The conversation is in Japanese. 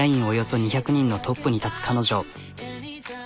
およそ２００人のトップに立つ彼女。